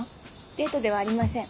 デートではありません。